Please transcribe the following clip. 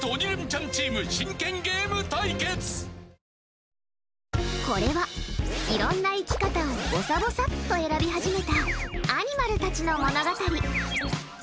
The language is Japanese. あふっこれは、いろんな生き方をぼさぼさっと選び始めたアニマルたちの物語。